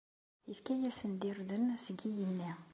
Ifka-asen-d irden seg yigenni.